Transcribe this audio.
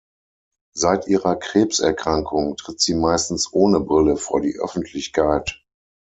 Seit ihrer Krebserkrankung tritt sie meistens ohne Brille vor die Öffentlichkeit.